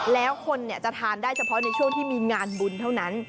แล้วคนจะทานได้เฉพาะในช่วงที่มีงานบุญเท่านั้น